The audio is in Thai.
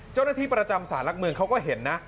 เจ้าหน้าที่ประจำสารหลักเมืองเขาก็เห็นนะ